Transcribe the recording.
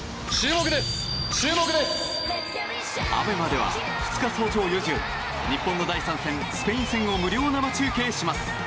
ＡＢＥＭＡでは２日早朝４時より日本の第３戦スペイン戦を無料生中継します。